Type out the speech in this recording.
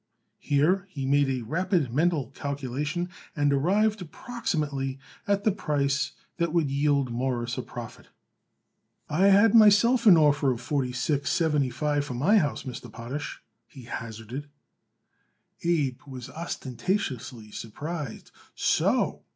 Here he made a rapid mental calculation and arrived approximately at the price that would yield Morris a profit. "I had myself an offer of forty six seven fifty for my house, Mr. Potash," he hazarded. Abe was ostentatiously surprised. "So!"